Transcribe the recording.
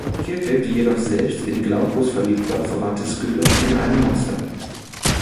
Kirke, die jedoch selbst in Glaukos verliebt war, verwandelte Skylla in ein Monster.